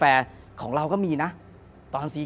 ที่ผ่านมาที่มันถูกบอกว่าเป็นกีฬาพื้นบ้านเนี่ย